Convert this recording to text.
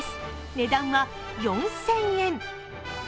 値段は４０００円。